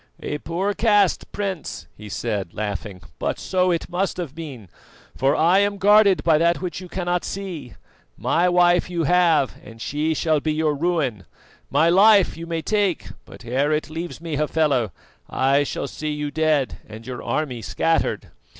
"A poor cast, Prince," he said laughing; "but so it must have been, for I am guarded by that which you cannot see. My wife you have, and she shall be your ruin; my life you may take, but ere it leaves me, Hafela, I shall see you dead and your army scattered.